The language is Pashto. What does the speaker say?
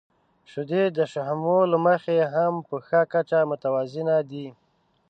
• شیدې د شحمو له مخې هم په ښه کچه متوازنه دي.